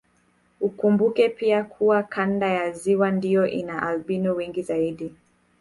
Ukumbuke pia kuwa kanda ya ziwa ndio ina albino wengi zaidi